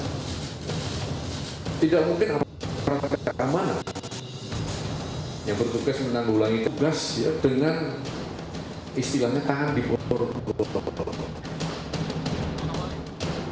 tidak mungkin apa apa perantakan keamanan yang bertugas menanggulangi tugas dengan istilahnya tangan dipotong